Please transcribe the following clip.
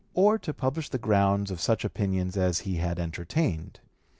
217) or to publish the grounds of such opinions as he had entertained.